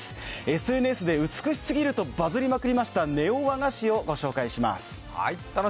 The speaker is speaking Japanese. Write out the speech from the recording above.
ＳＮＳで美しすぎるとバズりましたネオ和菓子をご紹介します。